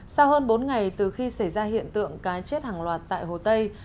sau hơn bốn ngày từ khi xảy ra hiện tượng cá chết hàng loạt tại hồ tây